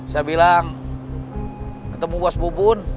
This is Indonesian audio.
saya bilang ketemu was bubun